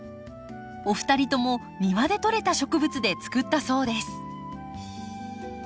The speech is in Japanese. お二人とも庭でとれた植物で作ったそうです。